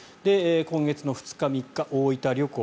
今月２日、３日に大分旅行。